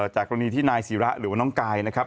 จากกรณีที่นายศิระหรือว่าน้องกายนะครับ